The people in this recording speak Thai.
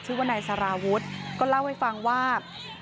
ชื่อว่านายสารวุฒิก็เล่าให้ฟังว่า